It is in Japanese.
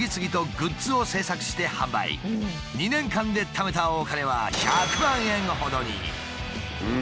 ２年間でためたお金は１００万円ほどに！